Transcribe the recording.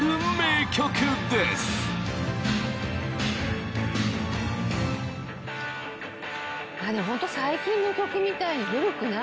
でもホント最近の曲みたい。